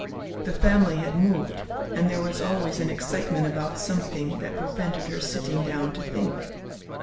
The family had moved, and there was always an excitement about something, that prevented her sitting down to think.